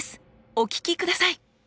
お聞きください！